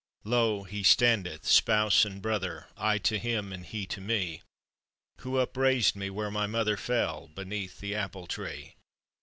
Lo! He standeth, Spouse and Brother, I to Him, and He to me, Who upraised me where my mother Fell, beneath the apple tree.